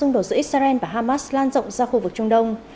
trong khi đó xung đột giữa israel và hamas lan rộng ra khu vực trung đông